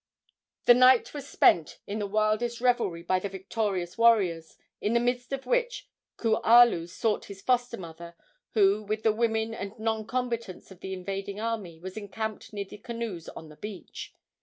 The night was spent in the wildest revelry by the victorious warriors, in the midst of which Kualu sought his foster mother, who, with the women and non combatants of the invading army, was encamped near the canoes on the beach.